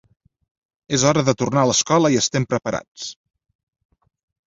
És hora de tornar a l’escola i estem preparats.